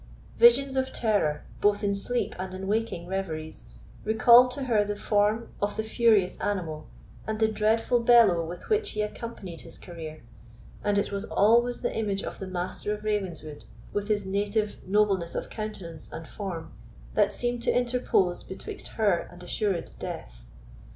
Visions of terror, both in sleep and in waking reveries, recalled to her the form of the furious animal, and the dreadful bellow with which he accompanied his career; and it was always the image of the Master of Ravenswood, with his native nobleness of countenance and form, that seemed to interpose betwixt her and assured death.